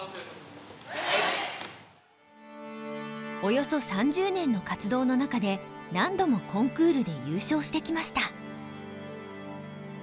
およそ３０年の活動の中で何度もコンクールで優勝してきました。